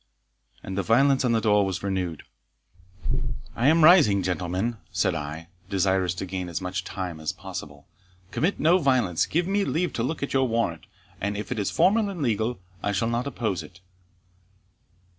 And the violence on the door was renewed. "I am rising, gentlemen," said I, desirous to gain as much time as possible "commit no violence give me leave to look at your warrant, and, if it is formal and legal, I shall not oppose it."